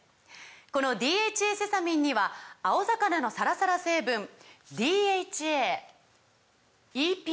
この「ＤＨＡセサミン」には青魚のサラサラ成分ＤＨＡＥＰＡ